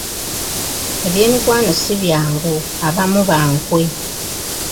Eby’emikwano si byangu, abamu ba nkwe.